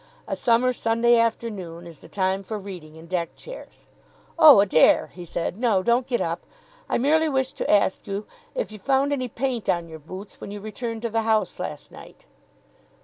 A summer Sunday afternoon is the time for reading in deck chairs. "Oh, Adair," he said. "No, don't get up. I merely wished to ask you if you found any paint on your boots when you returned to the house last night?"